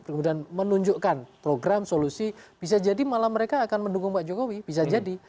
kemudian menunjukkan program solusi bisa jadi malah mereka akan mendukung pak jokowi bisa jadi